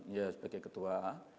ya sebagai ketua